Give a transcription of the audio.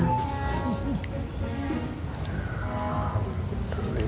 ya makasih ya